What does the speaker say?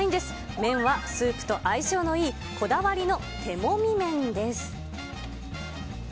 麺はスープと相性のいいこだわりの手もみ麺です。